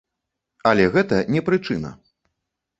Але гэта не прычына.